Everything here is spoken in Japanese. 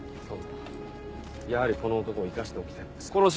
殿やはりこの男を生かしておきたいのですか？